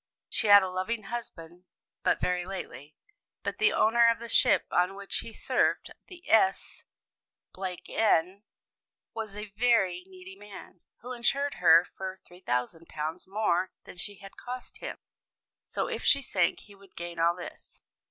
"She had a loving husband but very lately, but the owner of the ship on which he served, the S n, was a very needy man, who insured her for £3,000 more than she had cost him. So if she sank he would gain all this.